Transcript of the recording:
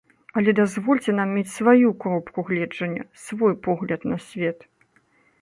Але дазвольце нам мець сваю кропку гледжання, свой погляд на свет.